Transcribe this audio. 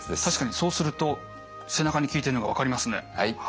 確かにそうすると背中に効いてるのが分かりますね。